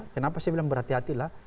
kenapa saya bilang berhati hatilah